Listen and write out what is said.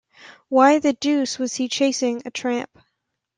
Why the deuce was he chasing a tramp?